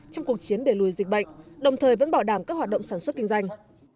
trong cuộc chiến để lùi dịch bệnh đồng thời vẫn bảo đảm các hoạt động sản xuất kinh doanh